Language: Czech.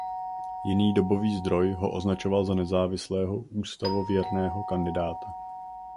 Jiný dobový zdroj ho označoval za nezávislého ústavověrného kandidáta.